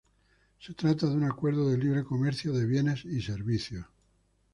Se trata de un acuerdo de libre comercio de bienes y servicios.